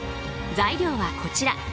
材料はこちら。